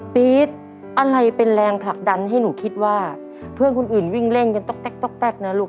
ปี๊ดอะไรเป็นแรงผลักดันให้หนูคิดว่าเพื่อนคนอื่นวิ่งเล่นกันต๊อกแก๊กนะลูก